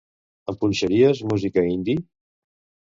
Ens punxaries música indie?